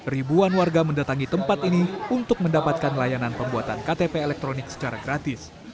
ribuan warga mendatangi tempat ini untuk mendapatkan layanan pembuatan ktp elektronik secara gratis